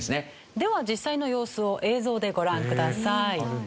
では実際の様子を映像でご覧ください。